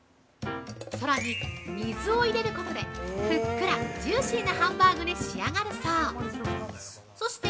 さらに水を入れることで、ふっくら、ジューシーなハンバーグに仕上がるそう！